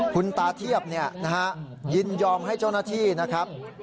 คุณตาเทียบยินยอมให้เจ้าหน้าที่นะครับ